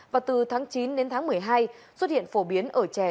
và từ tháng chín đến tháng một mươi hai xuất hiện phổ biến ở trẻ